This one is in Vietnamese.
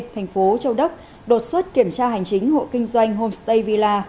thành phố châu đốc đột xuất kiểm tra hành chính hộ kinh doanh homestay villa